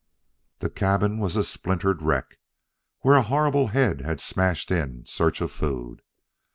The cabin was a splintered wreck, where a horrible head had smashed in search of food.